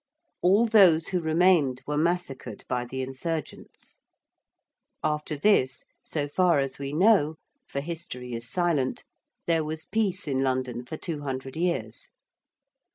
All those who remained were massacred by the insurgents. After this, so far as we know, for history is silent, there was peace in London for 200 years.